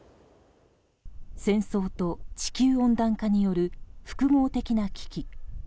戦争と地球温暖化による複合的な危機。